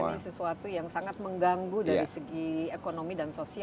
jadi sesuatu yang sangat mengganggu dari segi ekonomi dan sosial ya